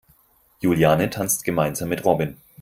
Juliane tanzt gemeinsam mit Robin.